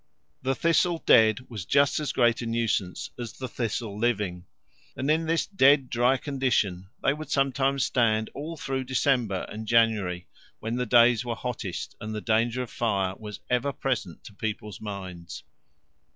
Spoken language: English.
The thistle dead was just as great a nuisance as the thistle living, and in this dead dry condition they would sometimes stand all through December and January when the days were hottest and the danger of fire was ever present to people's minds.